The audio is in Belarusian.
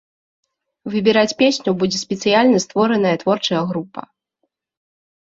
Выбіраць песню будзе спецыяльна створаная творчая група.